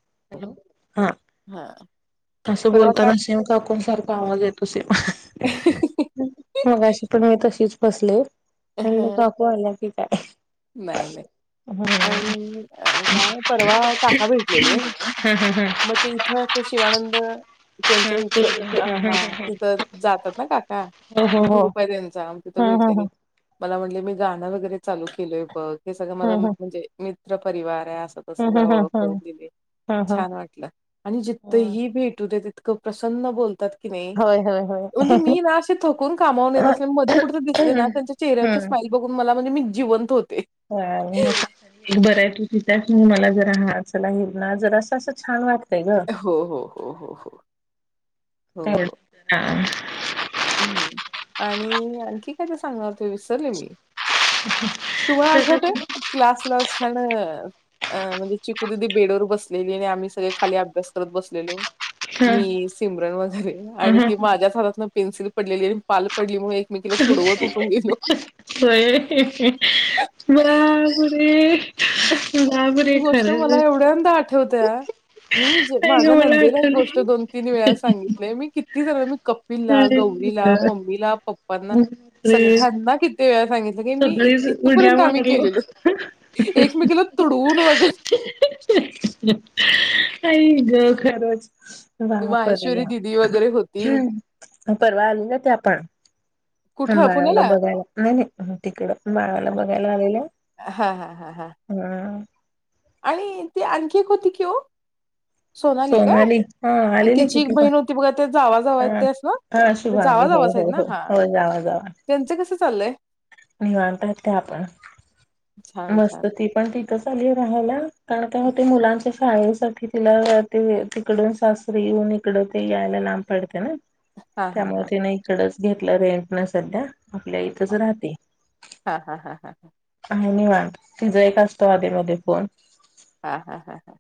[unintelligible] [inaudible] हा. असं परवा बोलताना काय सेम काकून सारखा आवाज येतो सेम. मगाशी पण मी तशीच फसले, आणि मग म्हणलं ह काकू आल्या की काय? नाही, नाही, हम्म आणि काय परवा काका भेटलेले मग ते इथं ते शिवानंद त्यांच्या इथ, हा तिथं जातात ना काका हो ग्रुप आहे तेचा तिथ हो भेटले, हो हा हा मला म्हटले मी गाणं वगैरे चालू केलोय बघ, हे सगळं हा हा मला हा म्हणजे मी मित्र परिवार असं तस हा जरा हा ओळख हा करुंन दिली हा हा छान वाटलं आणि जिथंही भेटू देत इतकं प्रसन्न बोलतात की नई होय होय होय म्हणजे मी ना असे थकून कामावून येत असले मग मध्ये कुठ दिसले ना त्यांच्या चेहऱ्यावरची स्माइल बघून मला म्हणजे मी जिवंत होते. होय बर आहे, तू तिथं आहे म्हणून मला जरा हा चला ह्यांना जरासं अस छान वाटत वाटतं हो, हो, हो, हो, हो. ग हम्म, आणि आणखी काय तर सांगणार होते विसरले मी तुम्हाला आठवतय? क्लास ला असताना अ म्हणजे चिकू दीदी बेडवर बसलेली, आणि आम्ही सगळे खाली अभ्यास करत बसलेलो. मी सिमरन वगैरे हा आणि हा ती माझ्याच हातातून पेन्सिल पडलेली आणि पाल पडलीमुळे होय, बापरे! ती बापरे गोष्ट मला खरंच एवढ्यांदा आठवतेय. मी जे नाही ग माझ्या मला नंदेला ही आठवण गोष्ट आहे. दोन तीन वेळा सांगितलेय. मी किती जणांनी कपिलला, नाही ग गौरीला, मम्मीला, पप्पांना सगळे बापरे ह्यांना किती वेळ सांगितलं की मी सगळीच उड्या इथपर्यंत आम्ही मारलो केलेलो. एकमेकिला तुडून वगैर नाही ग खरंच [unintelligible] वगैरे होती. परवा आलेल्या त्या पण कुठं बाळाला पुण्याला? बघायला. नाही नाही तीकड बाळला बघायला आलेल्या. हां, हां, हां, हां हं. आणि ते आणखी एक होती की हो. सोनाली काय? हा आणि आलेली तिची एक किती पण बहीण होती बघा त्या जावा जावा येत हा त्याच ना. हा ते शुभांगी हो जावाजवाच आहेत हो ना? हो हा, हो त्यांचं कसं चाललंय? निवडतात त्या पण. छान, छान. मस्त ती पण तथच आली राहायला. कारण त्या होते मुलांच्या शाळेसाठी तिला ते तिकडून सासरी येऊन इकड ते यायला लांब पडते ना. हां, हां, त्यामुळे हां, तिने इकडच घेतलं रेंट ने सध्या. आपल्या इथच हां. राहते. हां, हां, हां, हां, आणि वा तिचा एक असतो अधेमधे फोन. हा हा हा हा.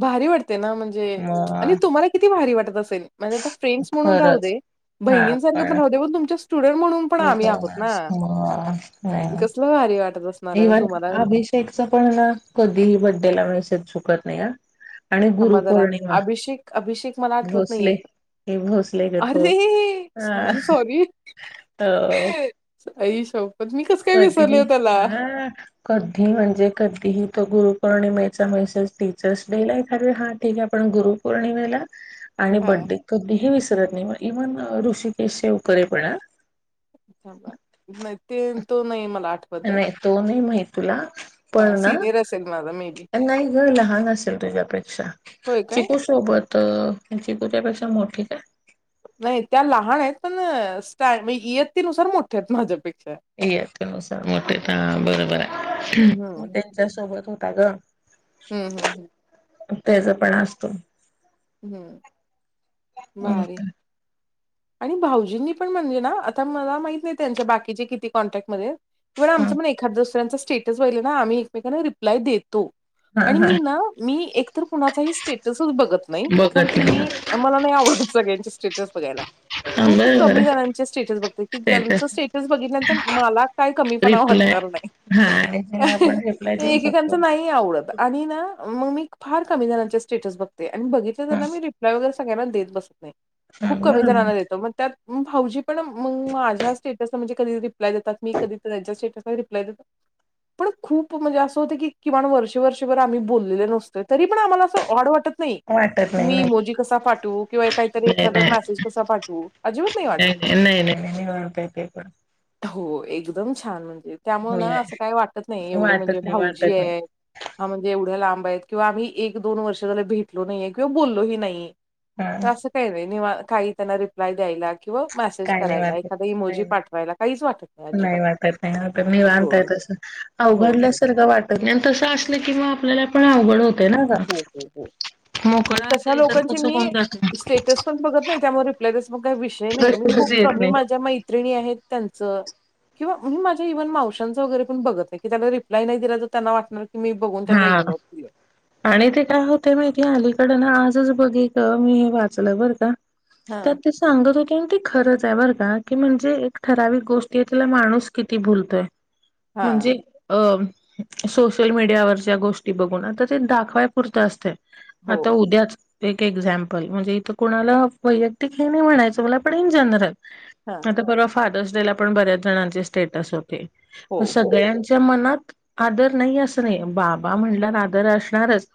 भारी वाटते ना. म्हणजे मग आणि तुम्हाला किती भारी वाटत अस सेल. माझ्या तर फ्रेंड्स म्हणून राहू खरंच दे, बहिणींसारखं पण राहू दे. पण तुमचं सु स्टुडंट म्हणून पण आम्ही मग आहोत ना. कसलं भारी वाटत असणार आहे ना तुम्हाला. शेखच पण ना कधीही बड्डेला मेसेज चुकत नाही ह. आणि थांबा जरा गुरुपौर्णिमा अभिषेक अभिषेक मला आठवत भोसले. नाहीये. हे भोसले ग तो. अरे! हं सॉरी, सॉरी. हो. आई शप कधीही हां, कधी म्हणजे कधीही तो गुरु पौर्णिमेचा मैसेज टीचर्स डेला एखाद वेळ हा ठीक आहे, पण गुरुपौर्णिमेला आणि हां, बडडे कधीही विसरत नाही म इव्हन ऋषिकेश शेवकरे पण अं. नही ते तो नय मला आठवत आहे. नाही तो नाही माहित तुला. हां, पण ना सीनियर असेल माझा मे बी. नाही ग लहान असेल तुझ्यापेक्षा. होय का? चिकू सोबत, चिकूच्यापेक्षा मोठ ठीक आहे नाही त्या लहान आहेत पण स्टॅ इयत्तीनुसार मोठ्या आहेत माझ्यापेक्षा. इयत्तेनुसार मोठे बरोबर आहे. हम्म म त्यांच्या सोबत होता ग. हं हं हं. त्याच पण असतो. हं. [unintelligible] आणि भाऊजींनी पण म्हणजे ना आता मला माहित नाही त्यांच्या बाकीचे किती कॉन्टॅक्टमध्येत. किंवा न आमचं पण एखाद्या दुसऱ्यांच स्टेटस बघितलं ना आम्ही एकमेकांना रिप्लाय देतो. हा आणि मी हा ना मी एकतर कुणाचा स्टेटसच बघत नाही. कारण बघत की नाही मी मला नाही आवडत सगळ्यांचे स्टेटस बघायला. [inaudible] खूप कमी आहे जणांचे स्टेटस बघते की ज्यांचं स्टेटस बघितल्यानंतर मला काय कमीपणा रिप्लाय वाटणार नाही. हा याला आपण रिप्लाय ते देऊ शकतो एकेकांच नाही आवडत. आणि ना मग मी फार कमी जणांचे स्टेटस बघते आणि बघितले हा त्यांना मी हा रिप्लाय वगैरे सगायना देत बसत नाही. खूप कमी बरोबर जणांना ना देतो. मग त्यात भाऊजी पण मग माझ्या स्टेटसला म्हणजे कधी रिप्लाय देतात. मी कधी त्यांच्या स्टेटसला रिप्लाय देतात पण खूप म्हणजे असं होते की किमान वर्षे वर्षभर आम्ही बोललेलो नसतोय. तरी पण आम्हाला असं ऑड वाटत नाही. क वाटत नाही मी नाही मोजी कसा पाठवू किंवा काहीतरी नाही एखाद मेसेज कसा पाठवू अजिबात नाही वाटत. नाही नाही नाही नाही हो प तेकण. हो एकदम छान म्हण त्यामुळे ना होय असं काही वाटत नाही एवढं म्हणजे वाटत नाही भाऊजी वाटत नाही आहे हा म्हणजे एवढं लांब किंवा आम्ही एक, दोन वर्ष झाले भटलो नाहीे किंवा बोललोही नाही हा तर असं काही नाही काही त्यांना रिप्लाय द्यायला किंवा मेसेज काय नाही करायला वाटत एखाद्या नाही इमोजी नाही पाठवायला काहीच वाटत नाही वाटत नाही वाटत नाही वानताय होय, होय. तसं हो, हो. अवघडल्यासारखं वाटत नाही आणि तसं असलं की म आप मला पण अवघड होतं. हो हो हो. मग तशा असेल तर लोकांचे तसं मी होऊन जात नाही स्टेटस पण बघत नाही त्यामुळे रिप्लाय त्या म काही विषय नाही मी खूप प्रश्नच खूप येत कमी नाही माझ्या मैत्रिणी आहेत त्यां च किंवा मी माझ्या इव्हन मावशांच वगैरे पण बघत आहे की त्याला रिप्लाय नाही दिला तर त्यांना वाटणार मी बघून त्यांना हा इग्नोर केलं. आणि ते काय होते माहितीे अलीकड ना आजच बघे का मी हे वाचलं बरं का. तर हां. ते सांगत होती ती. खरंच आहे बरं का की म्हणजे एक ठराविक गोष्टी आहे तिला माणूस किती भुलतोय. हां. म्हणजे सोशलडियावर. गोष्टी बघून आता ते दाखवाय पुुरत असते हो. आता उद्याच एक एक्झाम्पल म्हणजे इथं कुणाला वैयक्तिक हे नाही म्हणायचं मला पण इन जनरल. हां. आता परवा फादर्स डे ला पण बऱ्याच जणांचे स्टेटस होते. हो, हो. सगळ्यांच्या मनात आदर नाही असणे बाबा म्हणला आदर अस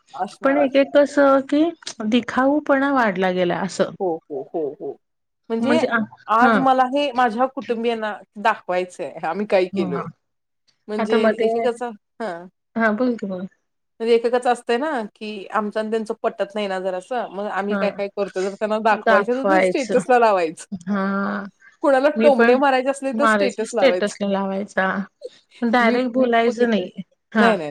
पण एक असणारच. एक कस की दिखाऊ पणा वाढला गेला. असं. हो हो हो हो म्हणजे आ हा आज मला हे माझ्या कुटुंबियांना दाखवायचंय आम्ही काही केलोय हा म्हणजे आता मध्ये एकेकाचा हा. हा बोल की बोल म्हणजे एककाच असतय ना की आमच त्यांच पटत नाही ना जर असं मग आम्ही काय काय करतो ज दाखवायच हा. कोणाला मी टोमणे पण मारायचे असले तर मारायच लावायचं. स्टेटस लावायचा मी डायरेक्ट खूप बोलायच. बघितलंय. नाही हा. नाही, नाही.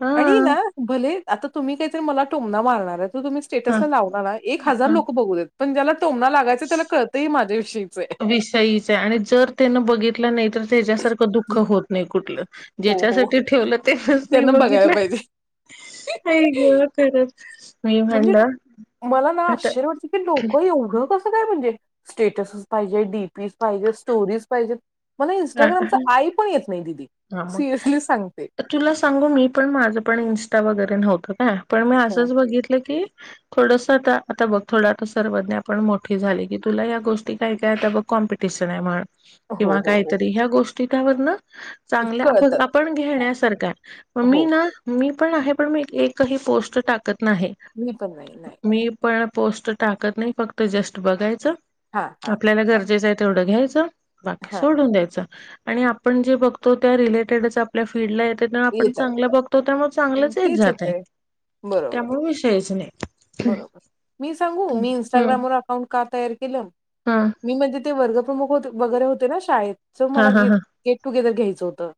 हा आणि ना भले आता तुम्ही काहीतरी मला टोंगणार मार तुम्ही हा स्टेटला लावणार एक हजार हा लो पण जला लागायचं त्याला कतंय माझ विषयीच. विषयच आणि जर त्यानं बघितलं नाही तर त्याच्यासारखं दुःख होत नाही कुठलं हो, हो. ज्याच्या ठेवलं तेवच नाही त्यांना बघायला बघितलं पाहिजे. आईग खरच. म्हणजे मला ना आता आश्चर्य वाटत की लोक एवढं कस काय म्हणजे स्टेटसस पाहिजे, डीपी पाहिजे, स्टोरीज पाहिजे. मला इन्स्टाग्रामच आई पण येत नाही दिदी. हा मग तुला सांगू मी पण माझं पण इस्टा वगैरे नव्हतं का. पण मी हं. असंच बघितलं की थोडस आता आता बघ थोडं आता सर्वज्ञ आपण मोठी झाले की तुला या गोष्टी काय कायता बघ कॉपिटिशन आहे हो, किंवा हो, हो. काहीतरी ह्या गोष्टी त्या मदन चांगल्या कळतात. आपण हां, घेण्यासारखा म हो. मी ना मी पण आहे पण मी एकही पोस्ट टाकत नाही मी पण नाही, नाही, नाही. मी पण पोस्ट टाकत नाही फक्त जस्ट बघायचं हां, हां, आपल्याला हां, गरजेचं आहे तेवढं घ्यायचं. बाकी हां. सोडून द्यायचं आणि आपण जे बघतो त्या रिलेटेडच आपल्या फीलल्डला आपण येतात. चांगलं बघतो त्यामुळे चांगलंच यच तेच जात आहे येतंय. बरोबर. त्यामुळे विषयच नाही. बरोबर मी सांगू मी हम्म इंस्टाग्रामवर अकाउंट का तयार केलं हम्म मी म्हणजे ते वर्गप्रमुख वैरे होते ना शाळेत हा मला हा हा गेटुेर घ्यायचं होतं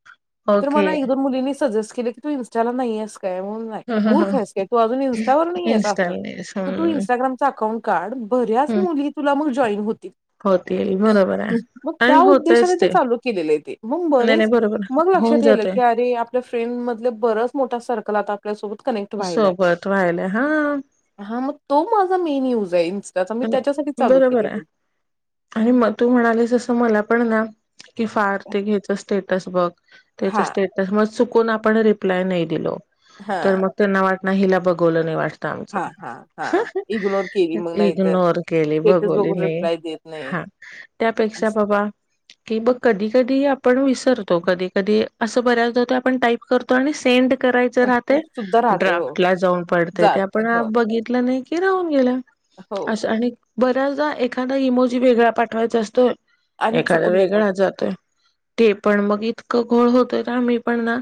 आणि ओके मला एक दोन मुलींनी सजेस्ट केलं की तू इन्स्टाला नाहीस काय म्हणून नाही ह ह ह मूर्खास काय तू अजून इं्स्टावर नाही आहेस अस इन्स्टॉल तर तू इं्स्टाग्रामचा अकाउंट काड बऱ्याच हम्म मुली तुला मंग जॉईन होतील. होतील बरोबर आहे मग त्या आणि होतयच उद्देशाने ते चालू केलेलं आहे मग नाही बरेच नाही बरोबर मग होऊन लक्षात येल जातय की अरे आपल्या फ्रेंड मधले बरच मोठा सर्कल आत सोबत राहिला हा हा मग तो माझा मेन युज आहे इन्स्टाचा मी आणि त्याच्यासाठी चालू बरोबर केलेय आहे ते आणि मग तू म्हणालीस असं मला पण ना की फार ते घ्यायचं स्टेटस बघ त्यच हां, स्टेटस मग चुकुन आपण रिप्लाय नाय दिलो तर हां, मग त्यांना वाट ना हीला बघवलं नाय वाटत हां, हां, आमचं हां. इग्नोर केली मग नाहीतर इग्नोर केली स्टेटस बघवली बघून नाही रिप्लाय देत नाही. हा त्यापेक्षा असं बाबा कि मग कधी कधी आपण विसरतो तो कधी कधी असं बऱ्यादा आपण टाईप करतो आणि सेंड करायच अ, राहते सुद्धा राहते. हो, ड्राफ्ट हो. ला जाऊन पडते ते जाते. आपण हो, बघितलं नाही की राहून गेलं असं हो. आणि बऱ्याचदा एखादा इमोजी वेगळा पाठवायचा असतो आणि एखादा चुकून वेगळा जातो. जातोय ते पण मग एक घोळ होतय ना मी पण ना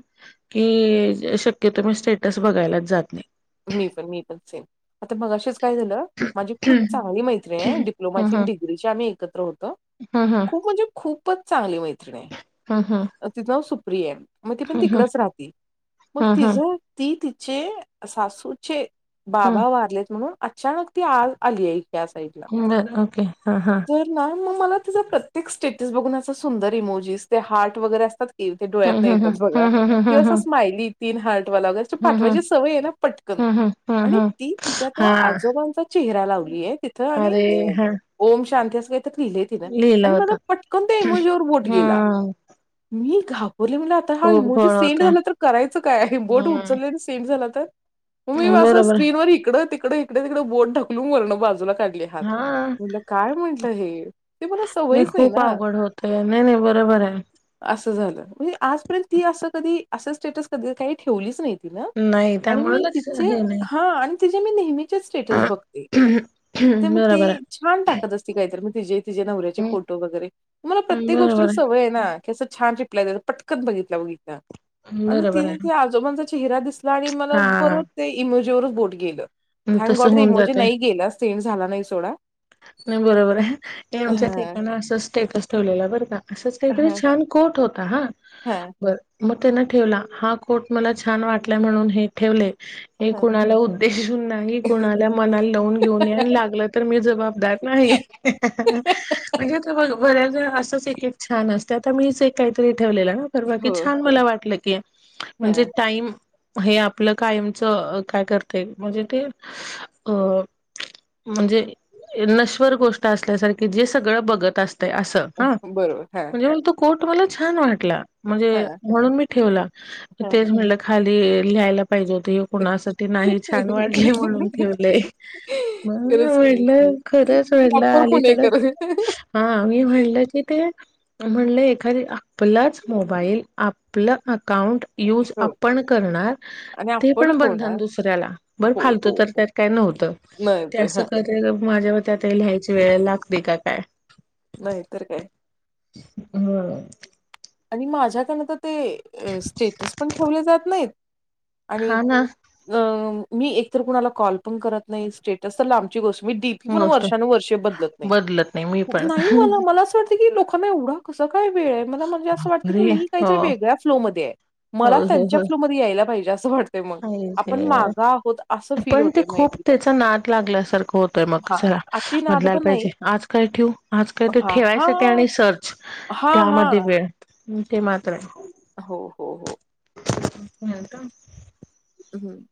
की शक्यतो मी स्टेटस बघायलाच जात नाही मी पण मी पण सेम आता मगाशीच काय झालं माझी खूप चांगली मैत्री आहे हम्म डिप्लोमाची अनं हम्म डिग्रीची ची आम्ही एकत्र होत हम्म खूप म्हणजे खूप चांगली मैत्रीण मैत्रीण हम्म आहे तिच नाव सुप्रिया मग ती पण हम्म तिकडच राहती मग हम्म तिझ हम्म ती तिचे सासूचे हम्म हम्म हम्म बाबा वारलेत म्हणून अचानक ती आज आली आहे त्या साइटला बर ओके हा हा तर ना मग मला तिचा प्रत्येक स्टेटस बघून अस सुंदर इमोजेस ते हार्ट वगैरे असतात ते हम्म डोळ्यातनं हम्म येतात बघा हम्म हम्म हम्म किंवा असं स्माईली तीन हार्टवाला वगैरे पाठवायची सवय आहे ना पटकन. हं हं आणि ती तिच्या त्या आजोबांचा चेहरा लावलीय तिथं आणि अरे म हा ओ कायतर लिहिलय तीने लिहिला म होता पटकन त्या इमोजीवर बोट गेला हम्म घाबरले म्हणलं आता हा खूप इमोजी घोळ सेंड होता झालं तर करायचं काय आहे बोट हम्म उचलले सेंड झाला तर मग मी असं बरोबर स्क्रीनवर इकडं तिकड इकडे तिकड बोट ढकलून वरंन बाजूला काढले हात हा म्हटल काय हे ते मला सवयच नाही ना बरं आहे असं झालं म्हणजे आजपर्यंत ती असं कधी असं स्टेटस कधी काही ठेवलीच नाही तिनं. नाय आणि मी तिचे हा आणि तिचे मी नेहमीचे स्टेटस बघते तर मग ती बरोबर छान टाकत असती काहीतर मग तिजे तिजे नवऱ्याचे आहे. फोटो वगैरे मला प्रत्येक गोष्टी सवय आहे ना असं छान पटकन बघितल्या बघीतल्या आणि बरोबर आहे ति आजोबाचा चेहरा दिसला मला हा परत ते इमोजीवर बोट गेल थॅंक तसं गॅड होऊन इमोजी जाते नाय गेला सेंड झाला नाही सोडा नाही बरोबर आहे आमच्या हां, एकानं असच स्टेटस ठेवलेला बर का असंच काहीतरी छान कोट होत हा मग त्यान ठेवला हा कोट मला छान वाटला म्हणून हे ठेवले हे कुणाला उद्देशून नाही कुणाला मनाला लावून घेऊन ये लागलं तर मी जबाब दार नाही म्हणजे बर्‍याचदा असचं एक एक छान आहे मीच एक काहीतरी ठेवलेलं ना तर बाकी हो. छान मला वाटलं की म्हणजे हां. टाईम हे आपलं कायमचं काय करते म्हणजे ते अ अं म्हणजे नश्वर गोष्ट असल्यासारखी जे सगळं बघत असत तय असं ह बरोबर. हां, म्हणजे तो कोट मला छान वाटला म्हणजे हां, म्हणून मी ठेवला हां. ते म्हणलं खाली लेहायला पाहिजे होत हे कुणासाठी नाही छान वाढलय म्हणून ठेवलय खरंच म्हणुन मी की. पण खरंच अडलं प्रॉपर अलीकड, पुणेकर. हा मी म्हणल की ते पण म्हणल एखादी आपलाच मोबाईल, आपलं अकाउंट यूज हो आपण करणार, आणि ते आपण पण बंधन ठेवणार. दुसऱ्याला. बर हो, फालतू हो, तर हो. त्यात काय नव्ह त ते नाहीतर असं हां, काहीतरी माझ्यावरती हे आता लिहायची वेळ लागते का काय? नाही तर काय. होय. आणि माझ्याकडनं तर ते अ स्टेटस पण ठेवलं जात नाहीत आणि हा ना अ मी एकतर कूणाला कॉल पण करत नाही, स्टेटस तर लांबची गोश मी डीपी पण गोष्ट वर्षानूवर्षे बदलत नाही. बदलत नाही मी अगं पण नाही मला मला असं वाटतं की नाही एवढा कसं काय वेळ आहे? मला म्हणजे अस वाटंत की, बापरे मी हो काहीतरी वेगळ्या फ्लोमध्ये मध्ये त्यांच्या फ्लोमध्ये यायला पाहिजे, अस वाट नाही ते, फील पण ते होतंय मग खूप एकदा. त्याचा नाद लागल्यासारखं होतय मग हां, स अति नाद बदलायला पण नाही. पाहिजे, आज काय ठेऊ आज काय ते हां, ठेवाय साठी हां. आणि सर्च हां, हां. ते वेळ ते मात्र हाय हो हो हो. [unintelligible] हम्म.